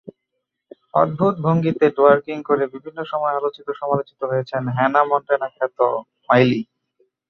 অদ্ভুত ভঙ্গিতে টোয়ার্কিং করে বিভিন্ন সময় আলোচিত-সমালোচিত হয়েছেন হ্যানা মন্টেনাখ্যাত মাইলি।